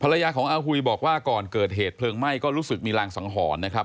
ภรรยาของอาหุยบอกว่าก่อนเกิดเหตุเพลิงไหม้ก็รู้สึกมีรางสังหรณ์นะครับ